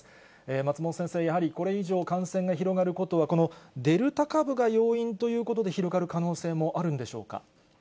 松本先生、やはりこれ以上、感染が広がることは、このデルタ株が要因ということで、広がる可能性もあるんでしょうか。